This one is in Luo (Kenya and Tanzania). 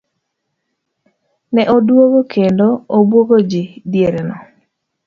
Ne oduong' kendo obuogo ji diereno.